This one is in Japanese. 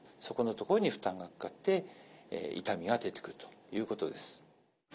そこの所に負担がかかって痛みが出てくるということです。